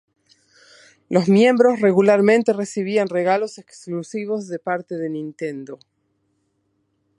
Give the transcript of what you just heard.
Los miembros regularmente recibían regalos exclusivos de parte de Nintendo.